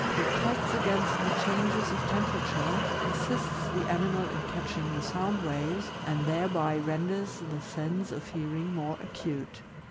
protects against the changes of temperature, assists the animal in catching the sound waves, and thereby renders the sense, of hearing more acute.